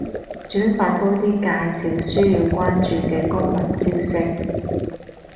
轉發多啲介紹需要關注嘅公民消息